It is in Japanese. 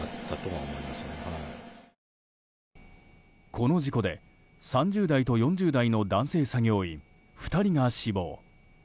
この事故で３０代と４０代の男性作業員２人が死亡。